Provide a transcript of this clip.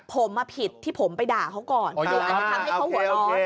ผมผิดที่ผมไปด่าเขาก่อนหรืออาจจะทำให้เขาหัวร้อน